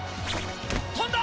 飛んだ！